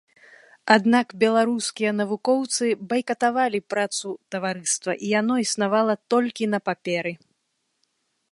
Аднак беларускія навукоўцы байкатавалі працу таварыства, і яно існавала толькі на паперы.